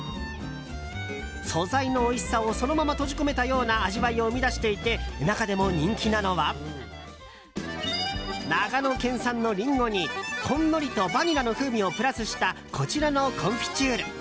素材のおいしさをそのまま閉じ込めたような味わいを生み出していて中でも人気なのは長野県産のリンゴに、ほんのりとバニラの風味をプラスしたこちらのコンフィチュール！